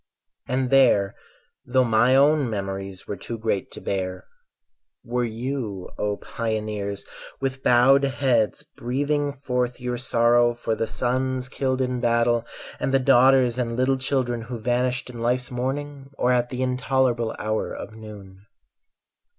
And there, though my own memories Were too great to bear, were you, O pioneers, With bowed heads breathing forth your sorrow For the sons killed in battle and the daughters And little children who vanished in life's morning, Or at the intolerable hour of noon.